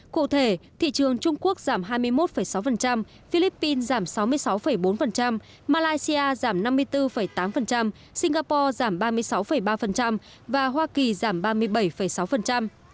cụ thể thị trường trung quốc giảm hai mươi một sáu philippines giảm sáu mươi sáu bốn malaysia giảm năm mươi bốn tám singapore giảm ba mươi sáu ba và hoa kỳ giảm ba mươi bảy sáu